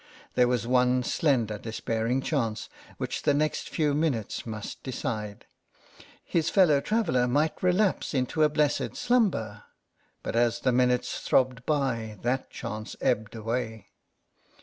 There was one slender despairing chance, which the next few minutes must decide. His fellow traveller might relapse into a blessed slumber. But as the minutes throbbed by that chance ebbed away.